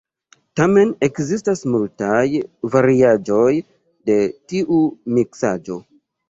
Tamen ekzistas multaj variaĵoj de tiu miksaĵo.